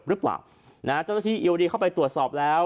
หรือเปล่านะฮะเจ้าหน้าที่เอวดีเข้าไปตรวจสอบแล้ว